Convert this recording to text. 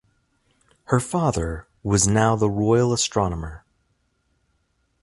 Her father was now the royal astronomer.